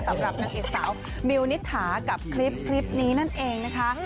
สำหรับนางเอกสาวมิวนิษฐากับคลิปนี้นั่นเองนะคะ